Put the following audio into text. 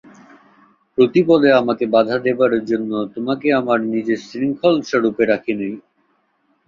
প্রতিপদে আমাকে বাধা দিবার জন্য, তােমাকে আমার নিজের শৃঙ্খলস্বরূপে রাখি নাই।